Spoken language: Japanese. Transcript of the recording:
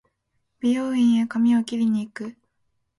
美容院へ髪を切りに行く